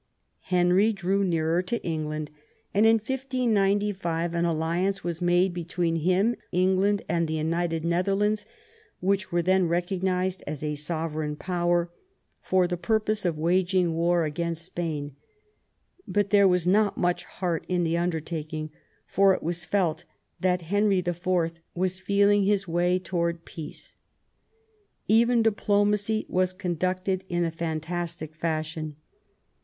Henry drew nearer to England, and, in I595) an alliance was made between him, England, and the United Netherlands, which were then recognised as a sovereign Power, for the purpose of waging war against Spain ; but there was not much heart in the THE NEW ENGLAND. 273 undertaking, for it was felt that Henry IV. was feeling his way towards peace. Even diplomacy was conducted in a fantastic fashion.